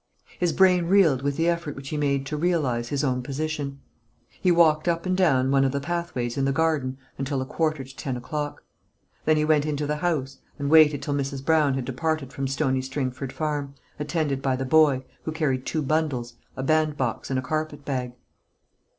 His brain reeled with the effort which he made to realise his own position. He walked up and down one of the pathways in the garden until a quarter to ten o'clock; then he went into the house, and waited till Mrs. Brown had departed from Stony Stringford Farm, attended by the boy, who carried two bundles, a bandbox, and a carpet bag.